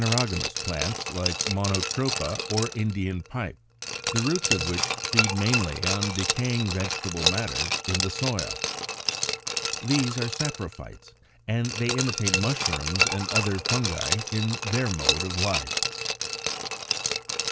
There are phanerogamous plants, like Monotropa or Indian Pipe, the roots of which feed mainly on decaying vegetable matter in the soil. These are SAPROPHYTES, and they imitate Mushrooms and other Fungi in their mode of life.